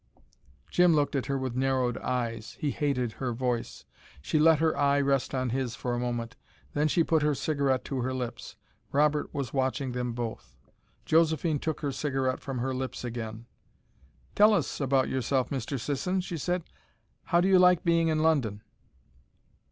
Jim looked at her with narrowed eyes. He hated her voice. She let her eye rest on his for a moment. Then she put her cigarette to her lips. Robert was watching them both. Josephine took her cigarette from her lips again. "Tell us about yourself, Mr. Sisson," she said. "How do you like being in London?"